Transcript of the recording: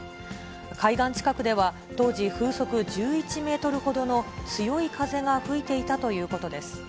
海岸近くでは、当時、風速１１メートルほどの強い風が吹いていたということです。